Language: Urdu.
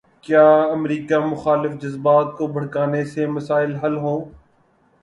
کیا امریکہ مخالف جذبات کو بھڑکانے سے مسائل حل ہوں۔